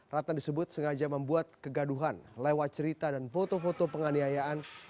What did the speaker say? ratna disebut sengaja membuat kegaduhan lewat cerita dan foto foto penganiayaan